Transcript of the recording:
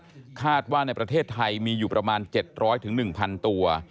คาดว่าในประเทศไทยมีอยู่ประมาณ๗๐๐๑๐๐ตัว